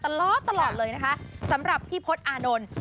ตลอดตลอดเลยนะคะสำหรับพี่พศอานนท์